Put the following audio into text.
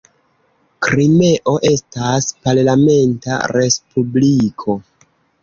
Krimeo estas parlamenta respubliko.